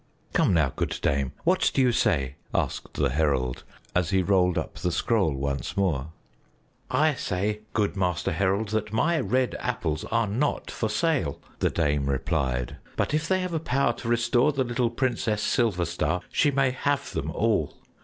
"Come now, good dame, what do you say?" asked the herald, as he rolled up the scroll once more. "I say, good Master Herald, that my red apples are not for sale," the dame replied, "but if they have a power to restore the little Princess Silverstar, she may have them all.